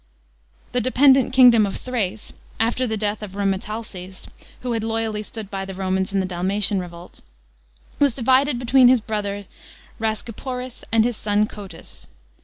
§ 19. The dependent kingdom of Thrace, after the death of Rhcemetalces, who had loyally stood by the Romans in the Dalmatian revolt, was divided between his brother Rhascuporis and his son Cotys.